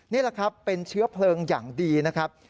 นี่แหละครับเป็นเชื้อเพลิงอย่างดีนะครับ